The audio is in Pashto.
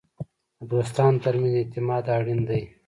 د دوستانو ترمنځ اعتماد اړین دی.